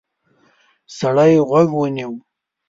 سړی غوږ ونیو.